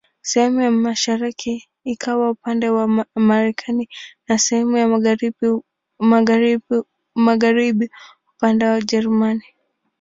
Sehemu ya mashariki ikawa upande wa Marekani na sehemu ya magharibi upande wa Ujerumani.